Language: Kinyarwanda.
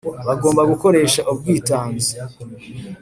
bagomba gukoresha ubwitanzi